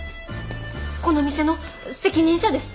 この店の責任者です。